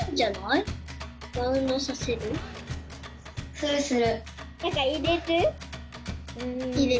するする。